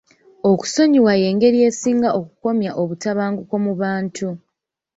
Okusonyiwa y'engeri esinga okukomya obutabanguko mu bantu.